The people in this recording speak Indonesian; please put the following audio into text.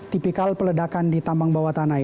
tipikal peledakan di tambang bawah tanah ya pak ya